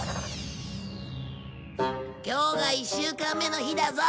今日が１週間目の日だぞ。